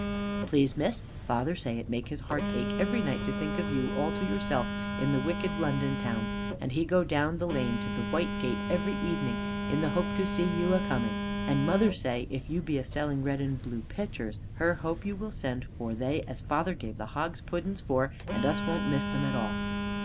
Please Miss, father say it make his heart ache every night, to think of you all to yourself in the wicked London town, and he go down the lane to the white gate every evening in the hope to see you acoming, and mother say if you be a selling red and blue picturs her hope you will send for they as father gave the hog's puddens for, and us wont miss them at all.